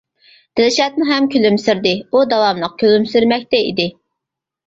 دىلشاتمۇ ھەم كۈلۈمسىرىدى، ئۇ داۋاملىق كۈلۈمسىرىمەكتە ئىدى.